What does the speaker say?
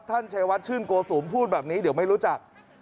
ชัยวัดชื่นโกสุมพูดแบบนี้เดี๋ยวไม่รู้จัก